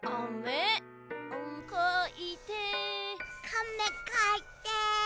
「かめかいて」